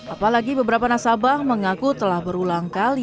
apalagi beberapa nasabah mengaku telah berulang kali